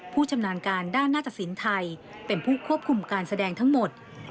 ชำนาญการด้านหน้าตสินไทยเป็นผู้ควบคุมการแสดงทั้งหมด